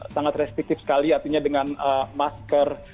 sangat restif sekali artinya dengan masker